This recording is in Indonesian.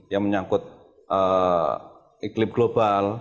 yang menyangkut iklim global